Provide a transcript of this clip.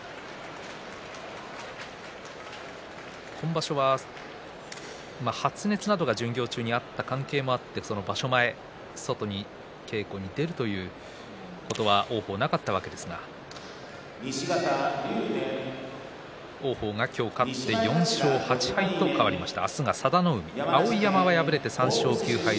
今場所は発熱などが巡業中にあった関係もあって場所前外に稽古に出るということは王鵬はなかったわけですが王鵬が勝って４勝８敗と変わりました。